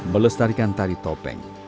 melestarikan tari topeng